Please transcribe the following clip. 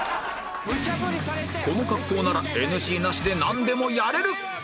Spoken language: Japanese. この格好なら ＮＧ なしでなんでもやれる！